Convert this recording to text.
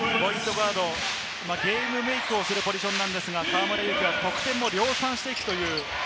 ガード、ゲームメイクをするポジションですが、河村勇輝は得点を量産していきます。